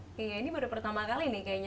oke ini baru pertama kali nih kayaknya